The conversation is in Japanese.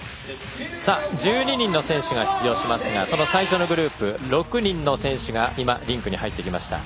１２人の選手が出場しますがその最初のグループ６人の選手が今、リンクに入ってきました。